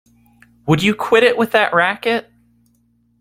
Would you quit it with that racket!